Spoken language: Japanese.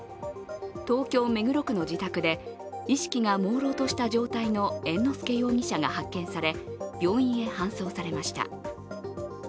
東京・目黒区の自宅で、意識がもうろうとした状態の猿之助容疑者が発見され病院へ搬送されました。